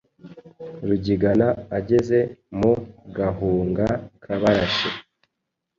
Rugigana ageze mu Gahunga k’Abarashi